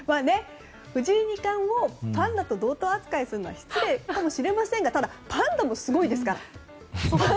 藤井二冠をパンダと同等扱いするのは失礼かもしれませんがただ、パンダもすごいですから。